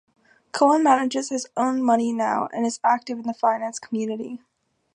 Cohen manages his own money now and is active in the finance community.